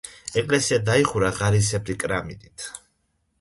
ეკლესია გადაიხურა ღარისებრი კრამიტით.